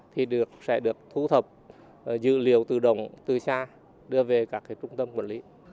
thì sẽ được thu thập dữ liệu tự động từ xa đưa về các trung tâm quản lý